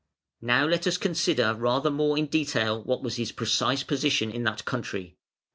Now let us consider rather more in detail what was his precise position in that country.